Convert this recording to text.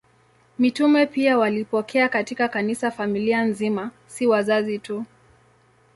Mitume pia walipokea katika Kanisa familia nzima, si wazazi tu.